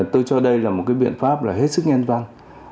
tôi cho đây là một biện pháp hết sức nhanh văn